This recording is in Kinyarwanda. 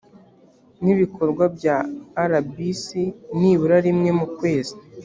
ni ibikorwa bya rbc nibura rimwe mu kwezi